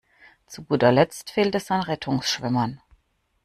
Zu guter Letzt fehlt es an Rettungsschwimmern.